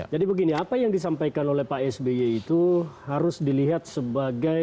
jadi begini apa yang disampaikan oleh pak sby itu harus dilihat sebagai